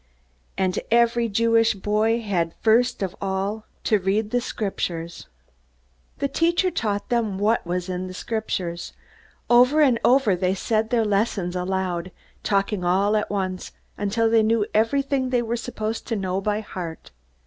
And every Jewish boy had first of all to read the Scriptures. The teacher taught them what was in the Scriptures. Over and over they said their lessons aloud, talking all at once, until they knew everything they were supposed to know by heart.